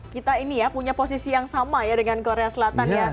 kita ini ya punya posisi yang sama ya dengan korea selatan ya